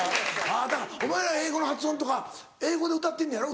だからお前ら英語の発音とか英語で歌ってんねやろ？